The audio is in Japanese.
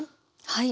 はい。